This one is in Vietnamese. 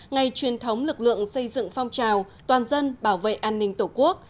ngày truyền thống lực lượng xây dựng phong trào toàn dân bảo vệ an ninh tổ quốc